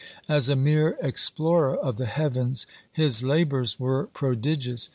As a mere explorer of the heavens his labours were prodigious.